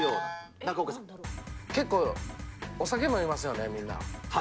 結構お酒飲みますよね、みんな。